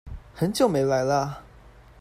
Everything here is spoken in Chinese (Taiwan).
很久沒來了啊！